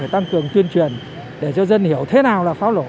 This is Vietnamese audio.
tăng cường tuyên truyền để cho dân hiểu thế nào là pháo nổ